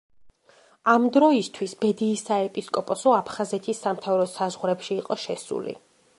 ამ დროისათვის ბედიის საეპისკოპოსო აფხაზეთის სამთავროს საზღვრებში იყო შესული.